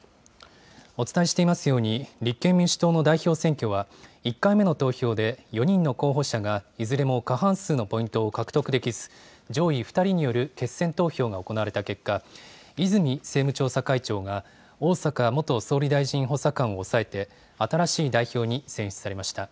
お伝えしていますように、立憲民主党の代表選挙は、１回目の投票で４人の候補者がいずれも過半数のポイントを獲得できず、上位２人による決選投票が行われた結果、泉政務調査会長が逢坂元総理大臣補佐官を抑えて、新しい代表に選出されました。